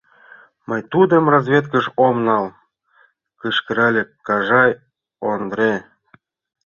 — Мый тудым разведкыш ом нал! — кычкырале Кажай Ондре.